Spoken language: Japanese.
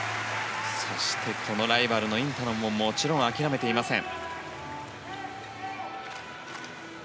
そして、ライバルのインタノンももちろん諦めていません。